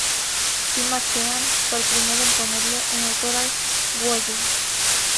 Sima Qian fue el primero en ponerle un autor al "Guo Yu".